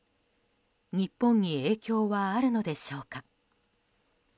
日本に影響はあるのでしょうか？